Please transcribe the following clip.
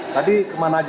tadi kemana aja